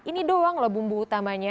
ini doang loh bumbu utamanya